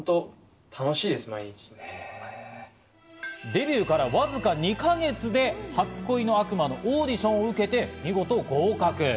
デビューからわずか２か月で『初恋の悪魔』のオーディションを受けて見事合格。